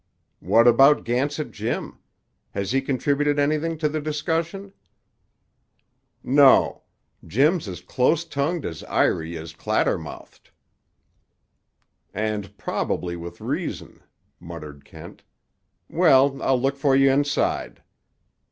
"What about Gansett Jim? Has he contributed anything to the discussion?" "No. Jim's as close tongued as Iry is clatter mouthed." "And probably with reason," muttered Kent. "Well, I'll look for you inside."